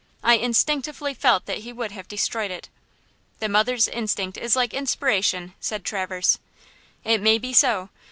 I instinctively felt that he would have destroyed it." "The mother's instinct is like inspiration," said Traverse. "It may be so.